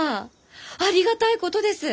ありがたいことです！